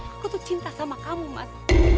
aku tuh cinta sama kamu mas